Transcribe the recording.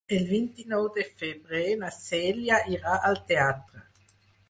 El vint-i-nou de febrer na Cèlia irà al teatre.